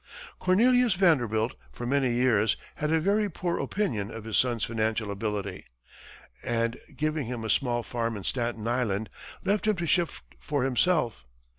Cornelius Vanderbilt, for many years, had a very poor opinion of his son's financial ability, and giving him a small farm on Staten Island, left him to shift for himself.